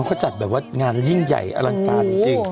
เขาจัดแบบว่างานยิ่งใหญ่อลังการจริง